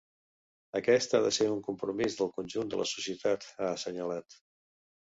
“Aquest ha de ser un compromís del conjunt de la societat”, ha assenyalat.